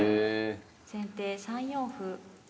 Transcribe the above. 先手３四歩。